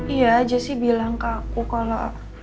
iya aja sih bilang ke aku kalau